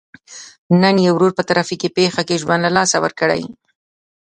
نن یې ورور په ترافیکي پېښه کې ژوند له لاسه ورکړی.